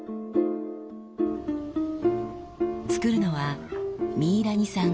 作るのはミイラニさん